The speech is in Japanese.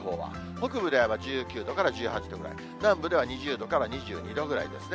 北部では１９度から１８度くらい、南部では２０度から２２度ぐらいですね。